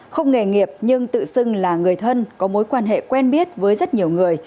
không nghề nghiệp nhưng tự xưng là người thân có mối quan hệ quen biết với rất nhiều người